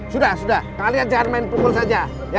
sudah sudah kalian jangan main pukul saja